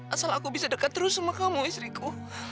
asal aku bisa dekat terus sama kamu istriku